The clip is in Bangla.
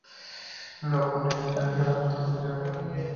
লক্ষণডেঙ্গু জ্বরে সাধারণত তীব্র জ্বর এবং সেই সঙ্গে শরীরে প্রচণ্ড ব্যথা হয়।